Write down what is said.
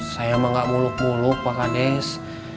saya mah nggak muluk muluk pak kandes